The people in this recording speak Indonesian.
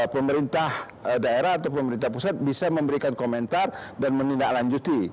pemerintah daerah atau pemerintah pusat bisa memberikan komentar dan menindaklanjuti